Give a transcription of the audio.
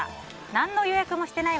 何の予約もしてない